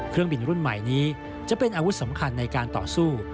เครื่องบินรุ่นใหม่นี้จะเป็นอาวุธสำคัญในการต่อสู้